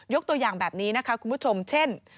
ตัวอย่างแบบนี้นะคะคุณผู้ชมเช่น